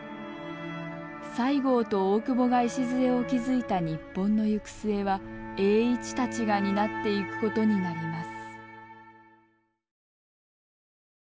西郷と大久保が礎を築いた日本の行く末は栄一たちが担っていくことになります。